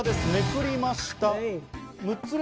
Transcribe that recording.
めくりました。